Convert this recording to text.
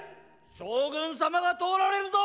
将軍様が通られるぞ！